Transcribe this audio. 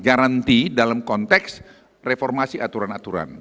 garanti dalam konteks reformasi aturan aturan